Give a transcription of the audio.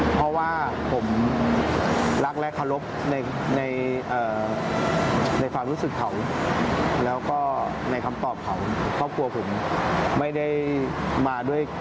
เพราะว่าผมรักและขอรพในฟากรู้สึกเขา